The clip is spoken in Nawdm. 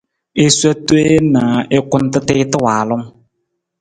I sowa teen na i kunta tiita waalung.